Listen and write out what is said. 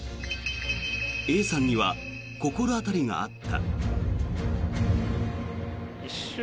Ａさんには心当たりがあった。